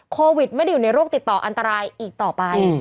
โควิดไม่ได้อยู่ในโรคติดต่ออันตรายอีกต่อไป